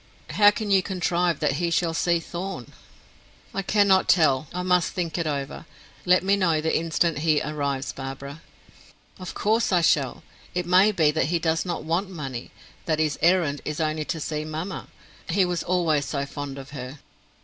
How can you contrive that he shall see Thorn?" "I cannot tell; I must think it over. Let me know the instant he arrives, Barbara." "Of course I shall. It may be that he does not want money; that his errand is only to see mamma. He was always so fond of her."